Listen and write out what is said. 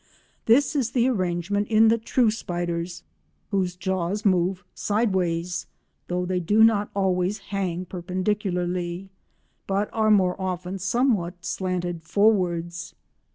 This is the arrangement in the true spiders, whose jaws move sideways, though they do not always hang perpendicularly, but are more often somewhat slanted forwards.